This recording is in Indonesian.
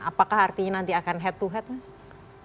apakah artinya nanti akan head to head mas